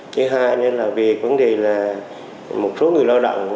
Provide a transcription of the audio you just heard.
thứ hai là vì vấn đề là một số người lao động